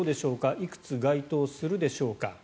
いくつ該当するでしょうか。